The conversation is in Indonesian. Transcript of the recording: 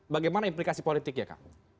bagaimana implikasi politik ya kang